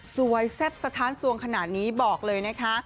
แซ่บสะท้านสวงขนาดนี้บอกเลยนะคะ